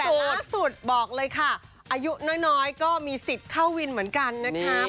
แต่ล่าสุดบอกเลยค่ะอายุน้อยก็มีสิทธิ์เข้าวินเหมือนกันนะคะ